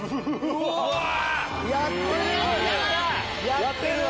やってる！